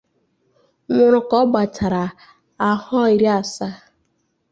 nwụrụ ka ọ gbachara ahọ iri asaa